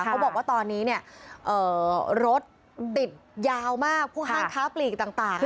เขาบอกว่าตอนนี้รถติดยาวมากพวกห้างค้าปลีกต่าง